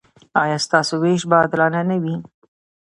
ایا ستاسو ویش به عادلانه نه وي؟